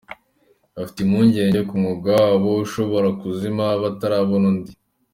Bafite impungenge ko umwuga wabo ushobora kuzima batarabona undi.